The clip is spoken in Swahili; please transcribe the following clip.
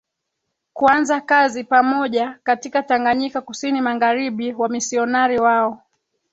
kuanza kazi pamoja katika Tanganyika KusiniMagharibi Wamisionari wao